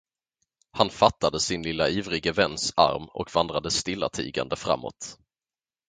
Han fattade sin lille ivrige väns arm och vandrade stillatigande framåt.